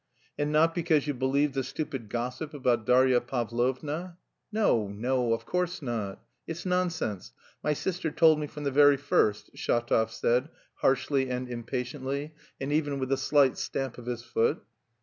"And not because you believed the stupid gossip about Darya Pavlovna?" "No, no, of course not! It's nonsense! My sister told me from the very first..." Shatov said, harshly and impatiently, and even with a slight stamp of his foot.